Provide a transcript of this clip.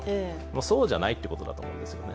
そうじゃないということだと思うんですよね。